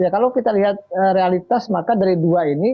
kalau kita lihat realitas maka dari dua ini